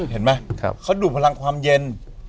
เห็นไหมเขาดูดพลังความเย็น